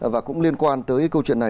và cũng liên quan tới câu chuyện này